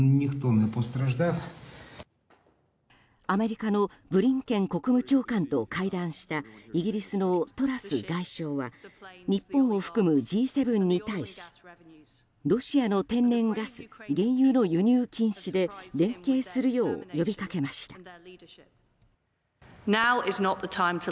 アメリカのブリンケン国務長官と会談したイギリスのトラス外相は日本を含むＧ７に対しロシアの天然ガス、原油の輸入禁止で連携するよう呼びかけました。